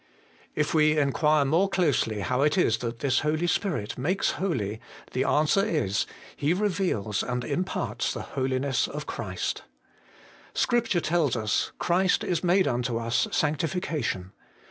If we inquire more closely how it is that this 136 HOLY IN CHRIST. Holy Spirit makes holy, the answer is, He reveals and imparts the Holiness of Christ. Scripture tells us : Christ is made unto us sanctification.